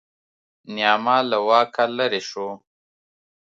نیاما له واکه لرې شو.